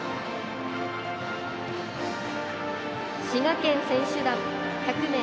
滋賀県選手団、１００名。